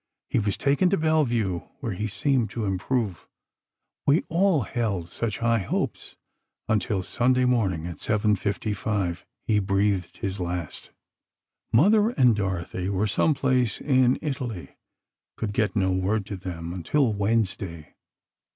He was taken to Bellevue, where he seemed to improve—we all held such high hopes—until Sunday morning, at 7:55, he breathed his last. Mother and Dorothy were some place in Italy—could get no word to them until Wednesday.